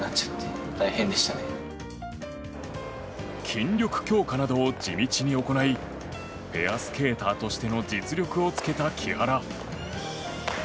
筋力強化などを地道に行いペアスケーターとしての実力をつけた木原。